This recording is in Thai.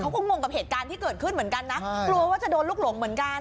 งงกับเหตุการณ์ที่เกิดขึ้นเหมือนกันนะกลัวว่าจะโดนลูกหลงเหมือนกัน